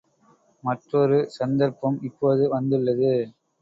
மற்றொரு சந்தர்ப்பம் இப்போது வந்துள்ளது.